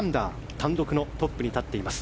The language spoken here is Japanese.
単独のトップに立っています。